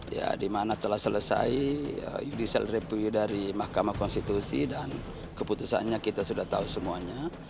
ya di mana telah selesai judicial review dari mahkamah konstitusi dan keputusannya kita sudah tahu semuanya